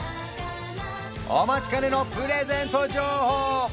お待ちかねのプレゼント情報